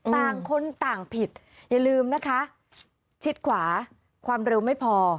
ต่างคนต่างผิดอย่าลืมนะคะชิดขวาความเร็วไม่พอ